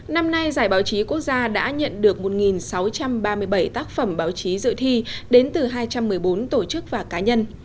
năm nay giải báo chí quốc gia đã nhận được một sáu trăm ba mươi bảy tác phẩm báo chí dự thi đến từ hai trăm một mươi bốn tổ chức và cá nhân